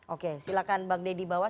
oke silahkan bang dedy bawah